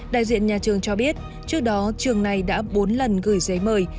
đại diện nhà trường cho biết trước đó trường này đã bốn lần gửi giấy mời